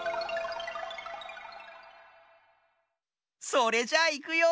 それじゃいくよ。